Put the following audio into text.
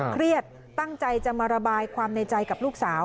เครียดตั้งใจจะมาระบายความในใจกับลูกสาว